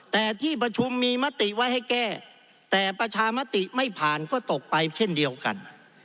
แต่ที่ประชุมมีมติไว้ให้แก้แต่ประชามติไม่ผ่านก็ตกไปเช่นเดียวกัน